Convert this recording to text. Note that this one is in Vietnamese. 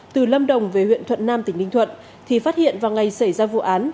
từ lâm đồng về huyện thuận nam tỉnh ninh thuận thì phát hiện vào ngày xảy ra vụ án